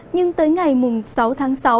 nhưng tới ngày mùng sáu tháng sáu